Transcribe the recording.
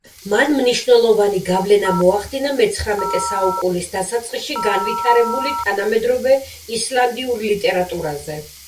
მან მნიშვნელოვანი გავლენა მოახდინა, მეცხრამეტე საუკუნის დასაწყისში განვითარებული თანამედროვე ისლანდიურ ლიტერატურაზე.